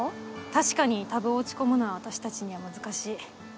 確かにＴＡＢを打ち込むのは私たちには難しい。